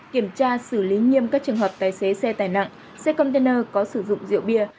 kiểm tra xử lý nghiêm các trường hợp tài xế xe tài nặng xe container có sử dụng rượu bia